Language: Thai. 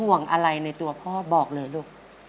ห่วงอะไรในตัวพ่อบอกเลยลูก